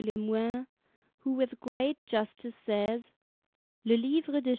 Lemoine, who with great justice says:—"Le livre de Ch.